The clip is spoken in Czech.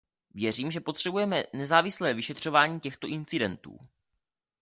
Věřím, že potřebujeme nezávislé vyšetřování těchto incidentů.